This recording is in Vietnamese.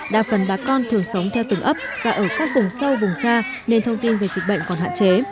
đa phần bà con thường sống theo từng ấp và ở các vùng sâu vùng xa nên thông tin về dịch bệnh còn hạn chế